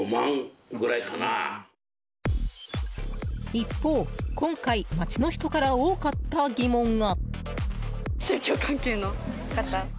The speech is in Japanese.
一方、今回街の人から多かった疑問が。